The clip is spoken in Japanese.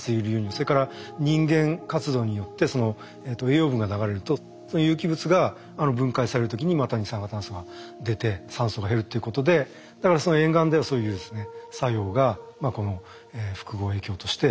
それから人間活動によって栄養分が流れるとそういう有機物が分解される時にまた二酸化炭素が出て酸素が減るっていうことでだから沿岸ではそういう作用が複合影響として出やすい場所になっていると。